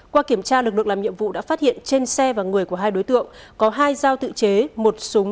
qua kiểm tra lực lượng làm nhiệm vụ đã phát hiện trên xe và người của hai đối tượng có hai dao tự chế một súng dạng bắn đạn pháo một bộ dụng cụ sử dụng ma túy